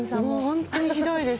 本当にひどいです。